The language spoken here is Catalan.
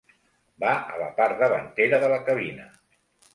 Va a la part davantera de la cabina.